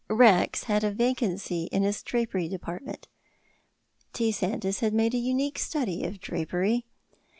"Rex" had a vacancy in his drapery department. T. Sandys had made a unique study of drapery.